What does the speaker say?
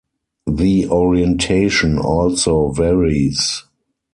The orientation also varies.